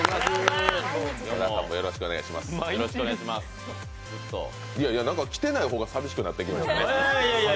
いやいや、なんか来てない方が寂しくなってきましたね。